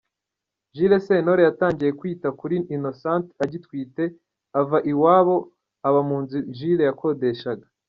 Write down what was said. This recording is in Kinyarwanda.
Jules Sentore yatangiye kwita kuri Innocente agitwite, ava iwabo aba mu nzu Jules yakodeshaga.